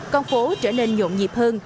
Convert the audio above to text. con phố trở nên nhộn nhịp hơn